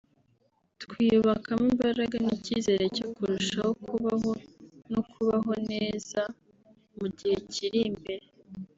twiyubakamo imbaraga n’icyizere cyo kurushaho kubaho no kubaho neza mu gihe kiri imbere